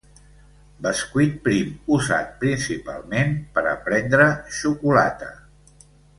Bescuit prim usat principalment per a prendre xocolata.